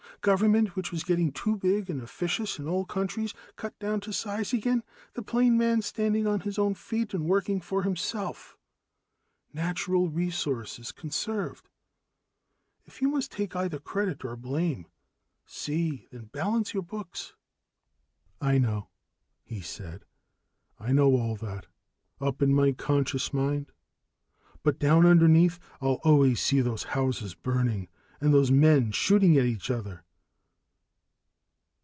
Government, which was getting too big and officious in all countries, cut down to size again. The plain man standing on his own feet and working for himself. Natural resources conserved. If you must take either credit or blame, Si, then balance your books!" "I know," he said. "I know all that, up in my conscious mind. But down underneath I'll always see those houses burning, and those men shooting at each other."